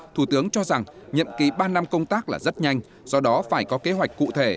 thủ tướng cho rằng nhiệm kỳ ba năm công tác là rất nhanh do đó phải có kế hoạch cụ thể